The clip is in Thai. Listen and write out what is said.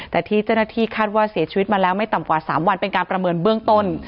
แต่ที่เจ้าหน้าที่คาดว่าเสียชีวิตมาแล้วไม่ต่ำกว่า๓วันเป็นการประเมินเบื้องต้น